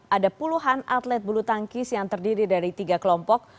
ada puluhan atlet bulu tangkis yang terdiri dari tiga kelompok